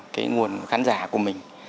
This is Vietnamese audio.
cái nguồn khán giả của mình